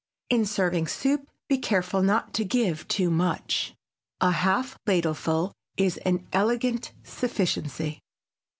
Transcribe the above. In serving soup be careful not to give too much. A half ladleful is an "elegant sufficiency."